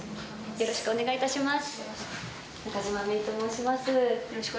よろしくお願いします。